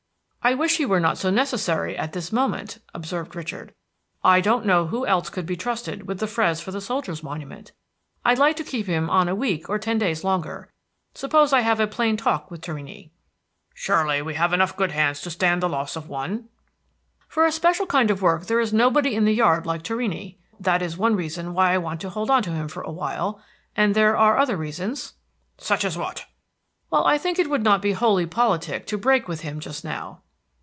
"I wish he were not so necessary at this moment," observed Richard. "I don't know who else could be trusted with the frieze for the Soldiers' Monument. I'd like to keep him on a week or ten days longer. Suppose I have a plain talk with Torrini?" "Surely we have enough good hands to stand the loss of one." "For a special kind of work there is nobody in the yard like Torrini. That is one reason why I want to hold on to him for a while, and there are other reasons." "Such as what?" "Well, I think it would not be wholly politic to break with him just now."